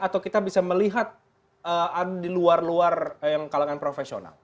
atau kita bisa melihat di luar luar yang kalangan profesional